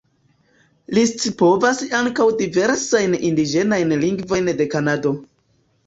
Li scipovas ankaŭ diversajn indiĝenajn lingvojn de Kanado.